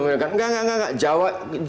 gak gak gak jawa